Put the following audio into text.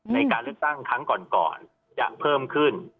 ในการเลือกตั้งครั้งก่อนจะเพิ่มขึ้น